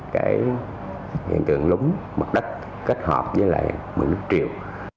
cái hiện tượng lúng mặt đất kết hợp với lại mức nước triều